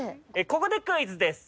ここでクイズです。